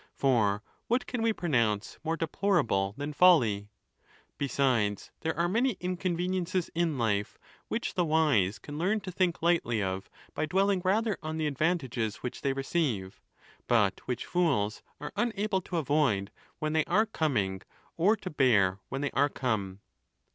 For what can we pronounce more deplorable than folly? Be sides, there are many inconveniences in life which the wise can learn to think lightly of by dwelling rather on the advantages which they receive; but which fools are unable to avoid when they are coming, or to bear when they are come.